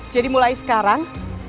jadi mulai sekarang